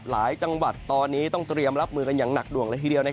หลายจังหวัดตอนนี้ต้องเตรียมรับมือกันอย่างหนักหน่วงละทีเดียว